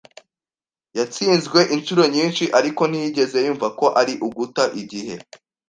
Yatsinzwe inshuro nyinshi, ariko ntiyigeze yumva ko ari uguta igihe.